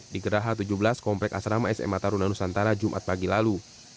di geraha tujuh belas komplek asrama sma taruna nusantara jumat pagi lalu